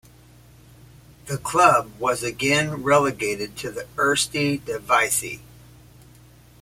The club was again relegated to the Eerste Divisie.